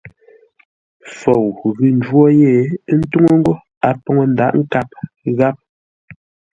Fou ghʉ ńjwó yé, ə́ ntúŋú ńgó a poŋə ńdǎghʼ nkâp gháp.